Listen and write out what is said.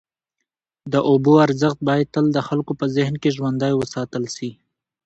د اوبو ارزښت باید تل د خلکو په ذهن کي ژوندی وساتل سي.